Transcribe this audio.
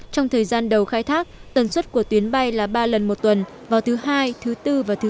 trong thời gian đầu khai thác tần suất của tuyến bay là ba lần một tuần vào thứ hai thứ bốn và thứ sáu